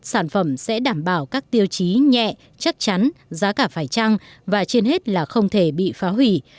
sản phẩm sẽ đảm bảo các tiêu chí nhẹ chắc chắn giá cả phải trăng và trên hết là không thể bị phá hủy